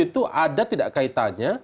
itu ada tidak kaitannya